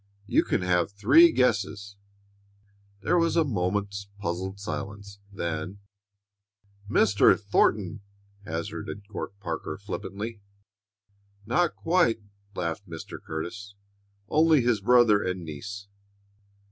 "You can have three guesses." There was a moment's puzzled silence; then, "Mr. Thornton?" hazarded Court Parker, flippantly. "Not quite," laughed Mr. Curtis; "only his brother and niece."